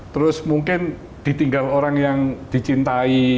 terus mungkin ditinggal orang yang dicintai